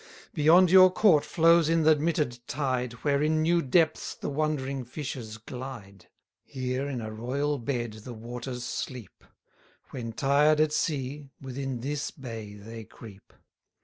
110 Beyond your court flows in th' admitted tide, Where in new depths the wondering fishes glide: Here in a royal bed the waters sleep; When tired at sea, within this bay they creep.